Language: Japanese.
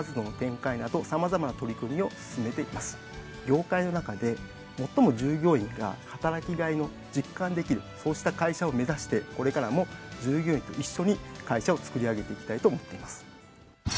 業界の中で最も従業員が働きがいを実感できるそうした会社を目指してこれからも従業員と一緒に会社をつくり上げていきたいと思っています。